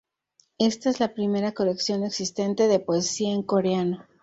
Esta es la primera colección existente de poesía en coreano.